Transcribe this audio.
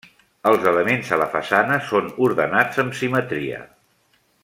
Els elements, a la façana, són ordenats amb simetria.